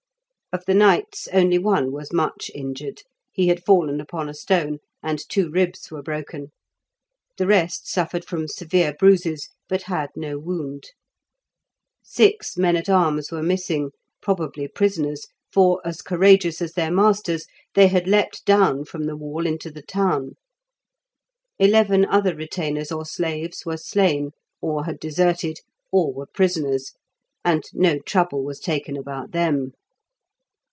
Of the knights only one was much injured; he had fallen upon a stone, and two ribs were broken; the rest suffered from severe bruises, but had no wound. Six men at arms were missing, probably prisoners, for, as courageous as their masters, they had leapt down from the wall into the town. Eleven other retainers or slaves were slain, or had deserted, or were prisoners, and no trouble was taken about them.